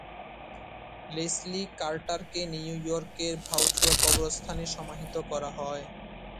Leslie কার্টারকে নিউ ইয়র্কের চাউচুয়া কবরস্থানে সমাহিত করা হয়।